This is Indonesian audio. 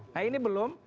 nah ini belum